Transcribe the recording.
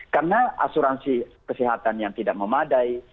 karena asuransi kesehatan yang tidak memadai